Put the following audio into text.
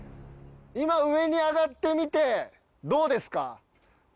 今上に上がってみてどうですか？